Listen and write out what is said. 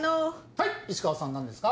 はい石川さん何ですか？